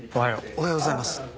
おはようございます。